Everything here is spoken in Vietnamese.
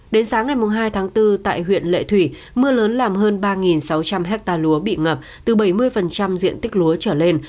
đến sáng ngày hai tháng bốn tại huyện lệ thủy mưa lớn làm hơn ba sáu trăm linh hectare lúa bị ngập từ bảy mươi diện tích lúa trở lên